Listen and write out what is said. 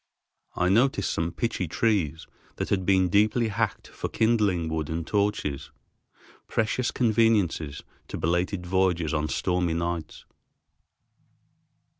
I noticed some pitchy trees that had been deeply hacked for kindling wood and torches, precious conveniences to belated voyagers on stormy nights.